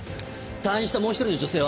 退院したもう１人の女性は？